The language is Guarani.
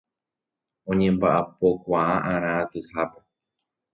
Oñembaʼapokuaaʼarã atyhápe.